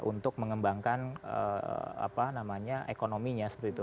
untuk mengembangkan apa namanya ekonominya seperti itu